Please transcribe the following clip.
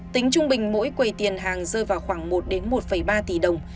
tính trung bình mỗi quầy tiền hàng rơi vào khoảng một một ba tỷ đồng